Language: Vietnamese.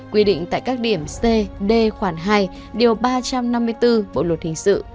quy định tại các điểm c d khoản hai điều ba trăm năm mươi bốn bộ luật hình sự